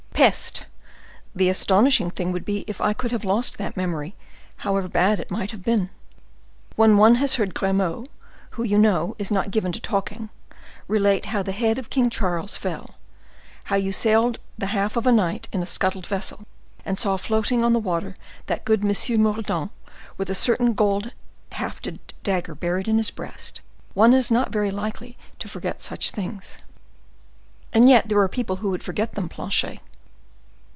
"Peste! the astonishing thing would be, if I could have lost that memory, however bad it might have been. When one has heard Grimaud, who, you know, is not given to talking, relate how the head of King Charles fell, how you sailed the half of a night in a scuttled vessel, and saw floating on the water that good M. Mordaunt with a certain gold hafted dagger buried in his breast, one is not very likely to forget such things." "And yet there are people who forget them, Planchet."